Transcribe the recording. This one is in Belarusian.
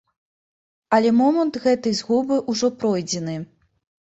Але момант гэтай згубы ўжо пройдзены.